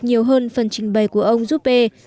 nhiều hơn phần trình bày của ông juppé